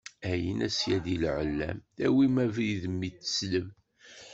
Ayen a syadi lɛulam, tawim abrid mi t-tessnem.